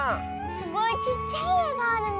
すごいちっちゃいえがあるね。